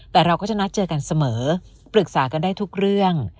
แต่เราก็จะนัดเจอกันเสมอปรึกษากันได้ทุกเรื่อง